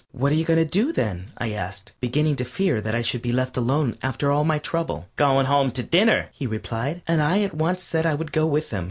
"What are you going to do then?" I asked, beginning to fear I should be left alone again after all my trouble. "Goin' home to dinner," he replied, and I at once said I would go with him.